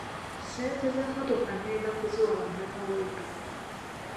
Ssente z’emmotoka ngenda kuziwa bannakawempe.